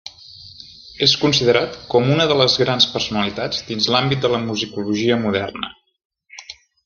És considerat com una de les grans personalitats dins l'àmbit de la musicologia moderna.